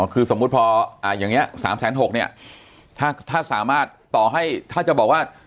คือสมมุติพออย่างนี้๓๖๐๐เนี่ยถ้าสามารถต่อให้ถ้าจะบอกว่า